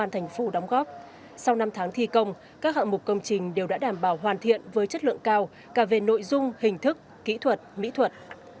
sau năm tháng thi công các hạng mục công trình đều đã đảm bảo hoàn thiện với chất lượng cao cả về nội dung hình thức kỹ thuật mỹ thuật